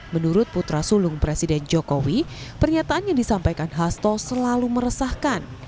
menurut putra sulung presiden jokowi pernyataan yang disampaikan hasto selalu meresahkan